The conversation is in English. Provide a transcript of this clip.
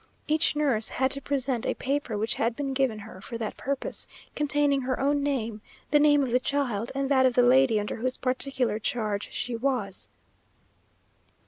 Each nurse had to present a paper which had been given her for that purpose, containing her own name, the name of the child, and that of the lady under whose particular charge she was.